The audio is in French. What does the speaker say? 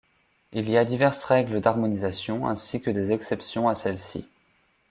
Il y a diverses règles d’harmonisation, ainsi que des exceptions à celles-ci.